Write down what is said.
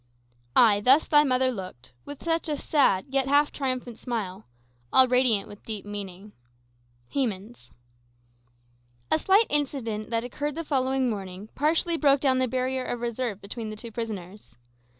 "Ay, thus thy mother looked, With such a sad, yet half triumphant smile. All radiant with deep meaning." Hemans A slight incident, that occurred the following morning, partially broke down the barrier of reserve between the two prisoners.